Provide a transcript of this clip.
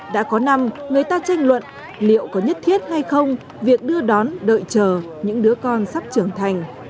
đã có năm người ta tranh luận liệu có nhất thiết hay không việc đưa đón đợi chờ những đứa con sắp trưởng thành